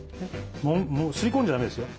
すり込んじゃだめですよ。